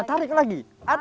tarik lagi tarik